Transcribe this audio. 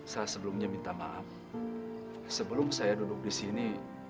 saya sebelumnya minta maaf sebelum saya duduk di sini